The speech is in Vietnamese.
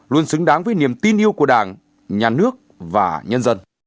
luôn xứng đáng với niềm tin yêu của đảng nhà nước và nhân dân